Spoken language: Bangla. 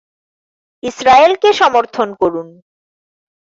ইসরায়েলকে সমর্থন করুন।